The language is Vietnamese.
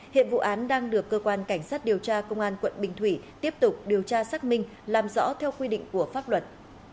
hiện vụ án đang được cơ quan cảnh sát điều tra công an quận bình thủy tiếp tục điều tra xác minh làm rõ theo quy định của pháp luật